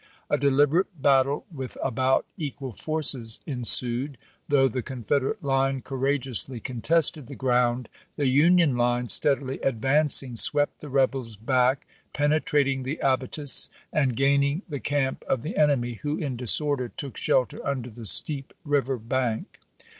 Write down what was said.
A deliberate battle with about equal forces ensued. Though the Confederate line courageously contested the ground, the Union line, steadily advancing, swept the rebels back, pene trating the abatis, and gaining the camp of the enemy, who in disorder took shelter under the steep river bank.